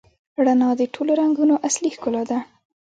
رڼا د ټولو رنګونو اصلي ښکلا ده.